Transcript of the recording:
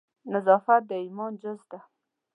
نظافت د ایمان جز ده